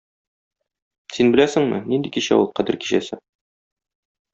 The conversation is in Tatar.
Син беләсеңме, нинди кичә ул кадер кичәсе?